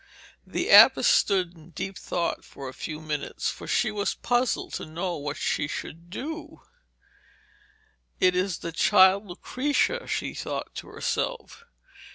The abbess stood in deep thought for a few minutes, for she was puzzled to know what she should do. 'It is the child Lucrezia,' she thought to herself.